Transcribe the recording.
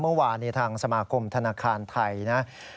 เมื่อวานทางสมาคมธนาคารไทยนะ